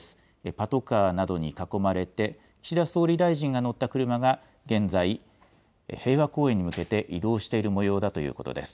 パトカーなどに囲まれて、岸田総理大臣が乗った車が現在、平和公園に向けて移動しているもようだということです。